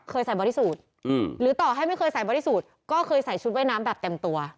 ใส่บอดี้สูตรหรือต่อให้ไม่เคยใส่บอดี้สูตรก็เคยใส่ชุดว่ายน้ำแบบเต็มตัว